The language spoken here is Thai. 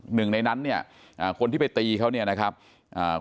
หนึ่งในนั้นเนี่ยอ่าคนที่ไปตีเขาเนี่ยนะครับอ่า